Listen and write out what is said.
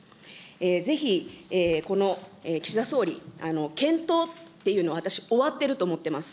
ぜひ、この岸田総理、検討っていうのは私、終わっていると思っています。